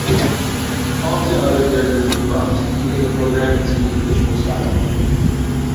Often other characters are cropped, giving the programme its unique visual style.